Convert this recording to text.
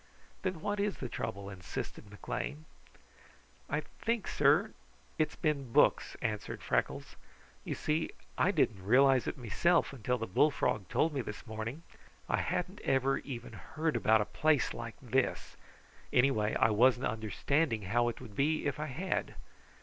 "Then what is the trouble?" insisted McLean. "I think, sir, it's been books," answered Freckles. "You see, I didn't realize it meself until the bullfrog told me this morning. I hadn't ever even heard about a place like this. Anyway, I wasn't understanding how it would be, if I had.